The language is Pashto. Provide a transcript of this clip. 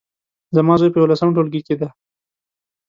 زما زوی په يولسم ټولګي کې دی